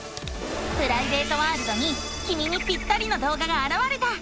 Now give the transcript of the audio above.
プライベートワールドにきみにぴったりの動画があらわれた！